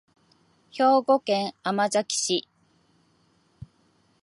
兵庫県尼崎市